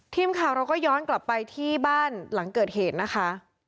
ทีมข่าวเราก็ย้อนกลับไปที่บ้านหลังเกิดเหตุนะคะ